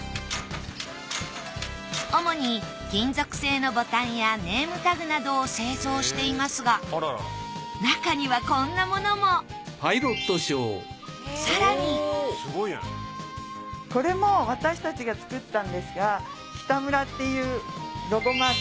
おもに金属製のボタンやネームタグなどを製造していますが中にはこんなものも更にこれも私たちが作ったんですがキタムラっていうロゴマーク。